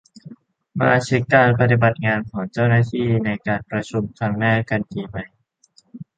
มาเช็คการปฏิบัติงานของเจ้าหน้าที่ ในการชุมนุมครั้งหน้ากันดีไหม ?